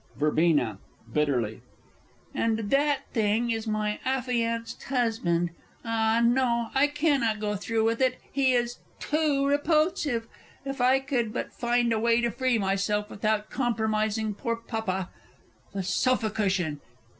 _ [Illustration: Spiker spiked.] Verb. (bitterly). And that thing is my affianced husband Ah, no I cannot go through with it, he is too repulsive! If I could but find a way to free myself without compromising poor Papa. The sofa cushion!